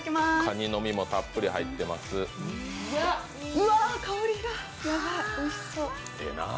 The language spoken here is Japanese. うわあ、香りがやばい、おいしそう。